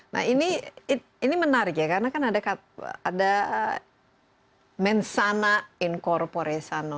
nah ini menarik ya karena kan ada mensana incorporesano